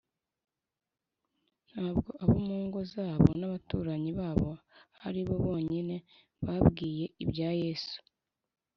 ntabwo abo mu ngo zabo n’abaturanyi babo ari bo bonyine babwiye ibya yesu,